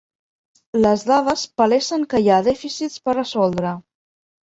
Les dades palesen que hi ha dèficits per resoldre.